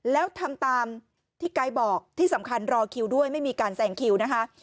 แล้วทำตามที่ไกด์บอกที่สำคัญรอคิวด้วยไม่มีการแซงคิวนะคะ